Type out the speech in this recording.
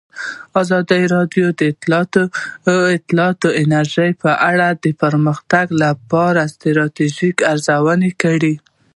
ازادي راډیو د اطلاعاتی تکنالوژي په اړه د پرمختګ لپاره د ستراتیژۍ ارزونه کړې.